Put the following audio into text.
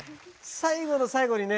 最後の最後にね